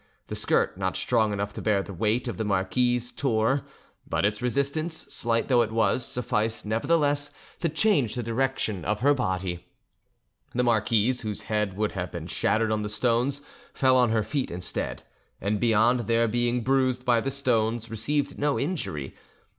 The skirt, not strong enough to bear the weight of the marquise, tore; but its resistance, slight though it was, sufficed nevertheless to change the direction of her body: the marquise, whose head would have been shattered on the stones, fell on her feet instead, and beyond their being bruised by the stones, received no injury.